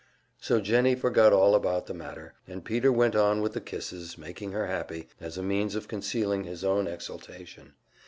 So Jennie forgot all about the matter, and Peter went on with the kisses, making her happy, as a means of concealing his own exultation.